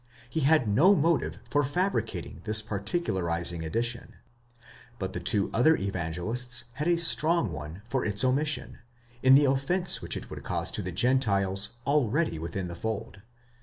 he had no motive for fabricating this particularizing addition; but the two other Evangelists had a strong one for its omission, in the offence which it wouid cause to the Gentiles already within the fold.